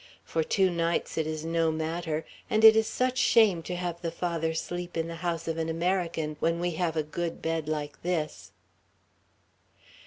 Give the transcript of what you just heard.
"For two nights, it is no matter; and it is such shame to have the Father sleep in the house of an American, when we have a good bed like this!"